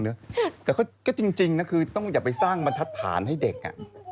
แต่ก็จริงนะคืออย่าไปสร้างบันทัศน์ฐานให้เด็ก